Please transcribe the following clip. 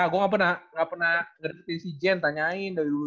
gue gak pernah ngedeketin si jen tanyain dari dulu